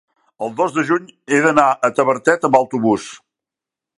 el dos de juny he d'anar a Tavertet amb autobús.